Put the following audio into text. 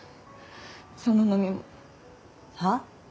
その飲み物はあ？